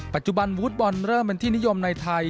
ปัจจุบันวูดบอลเริ่มเป็นที่นิยมในไทย